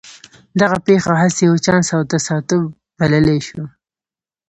دغه پېښه هسې يو چانس او تصادف بللای شو.